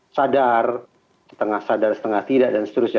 sadar setengah sadar setengah tidak dan seterusnya